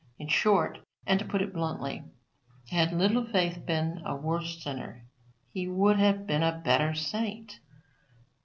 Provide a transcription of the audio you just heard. In short, and to put it bluntly, had Little Faith been a worse sinner, he would have been a better saint.